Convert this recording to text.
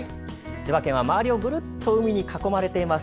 千葉県は周りをぐるっと海に囲まれています。